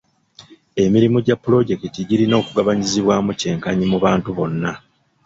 Emirimu gya pulojekiti girina okugabanyizibwaamu kyenkanyi mu bantu bonna.